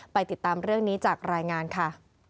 ติดตามเรื่องนี้จากรายงานค่ะ